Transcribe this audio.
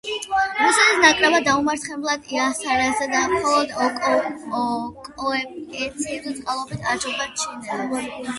რუსეთის ნაკრებმა დაუმარცხებლად იასპარეზა და მხოლოდ კოეფიციენტების წყალობით აჯობა ჩინელებს.